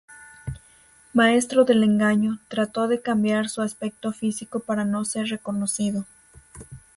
Maestro del engaño, trató de cambiar su aspecto físico para no ser reconocido.